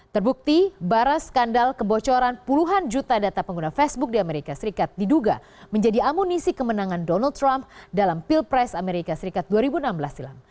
terbukti bara skandal kebocoran puluhan juta data pengguna facebook di amerika serikat diduga menjadi amunisi kemenangan donald trump dalam pilpres amerika serikat dua ribu enam belas silam